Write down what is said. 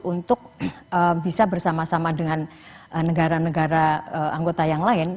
untuk bisa bersama sama dengan negara negara anggota yang lain